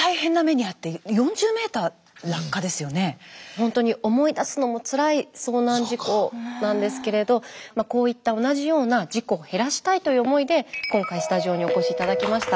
ほんとに思い出すのもつらい遭難事故なんですけれどこういった同じような事故を減らしたいという思いで今回スタジオにお越し頂きました。